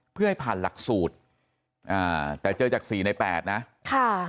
เพื่อให้ผ่านหลักสูตรอ่าแต่เจอจากสี่ในแปดนะค่ะ